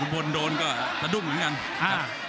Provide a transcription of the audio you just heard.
พลโดนก็สะดุ้งเหมือนกัน